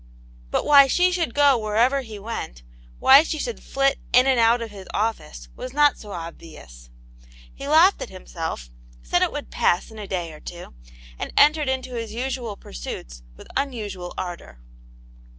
But why she should go wherever he went, why she should flit in and out of his office was not so obvious. He laughed at himself, said it would pass in a day or two, and entered into his usual pursuits with un usual ardour.